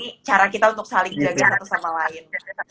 ini cara kita untuk saling jaga satu sama lain